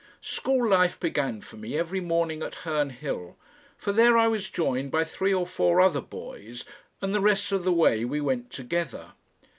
School life began for me every morning at Herne Hill, for there I was joined by three or four other boys and the rest of the way we went together.